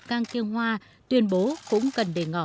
kang kyeong hwa tuyên bố cũng cần để ngỏ